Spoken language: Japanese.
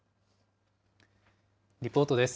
リポートです。